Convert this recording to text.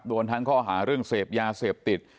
โดนทั้งข้อหาเรื่องเสพยาเสพติด